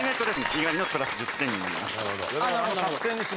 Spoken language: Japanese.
猪狩のプラス１０点になります。